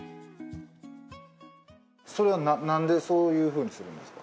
それはなんでそういうふうにするんですか？